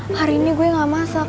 hari ini gue gak masak